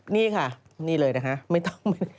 นี่ค่ะนี่เลยนะคะไม่ต้อง